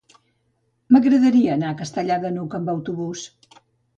M'agradaria anar a Castellar de n'Hug amb autobús.